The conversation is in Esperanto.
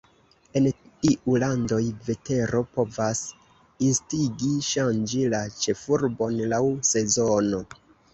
En iu landoj, vetero povas instigi ŝanĝi la ĉefurbon laŭ sezono.